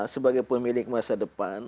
sebagai pemilik masa depan